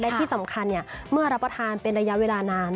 และที่สำคัญเมื่อรับประทานเป็นระยะเวลานาน